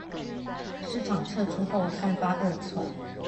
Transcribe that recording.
市場撤出後散發惡臭